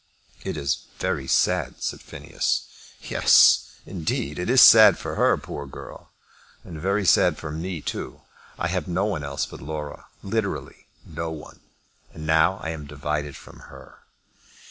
"It is very sad," said Phineas. "Yes, indeed; it is sad for her, poor girl; and very sad for me too. I have no one else but Laura, literally no one; and now I am divided from her!